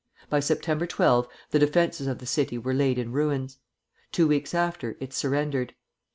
By September 12 the defences of the city were laid in ruins. Two weeks after, it surrendered.